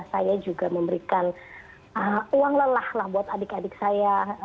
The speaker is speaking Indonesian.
saya juga memberikan uang lelah buat adik adik saya